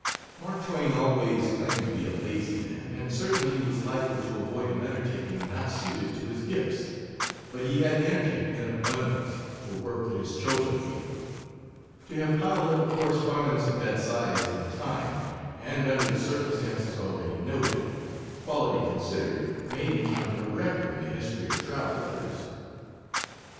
Mark Twain always claimed to be a lazy man, and certainly he was likely to avoid an undertaking not suited to his gifts, but he had energy in abundance for work in his chosen field. To have piled up a correspondence of that size in the time, and under the circumstances already noted, quality considered, may be counted a record in the history of travel letters.